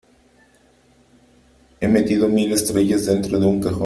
He metido mil estrellas dentro de un cajón.